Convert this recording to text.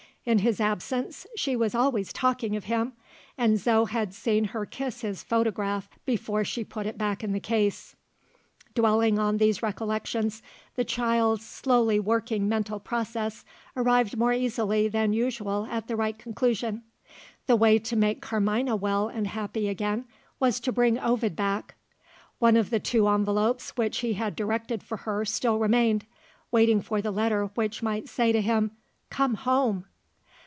In his absence, she was always talking of him and Zo had seen her kiss his photograph before she put it back in the case. Dwelling on these recollections, the child's slowly working mental process arrived more easily than usual at the right conclusion. The way to make Carmina well and happy again, was to bring Ovid back. One of the two envelopes which he had directed for her still remained waiting for the letter which might say to him, "Come home!"